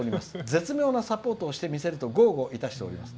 絶妙なサポートをしてみせると豪語いたしております。